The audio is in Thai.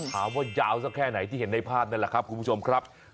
ยาวสักแค่ไหนที่เห็นในภาพนั่นแหละครับคุณผู้ชมครับ